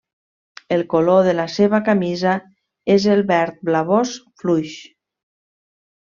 El color de la seva camisa és el verd blavós fluix.